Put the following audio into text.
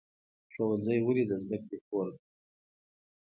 ښوونځی ولې د زده کړې کور دی؟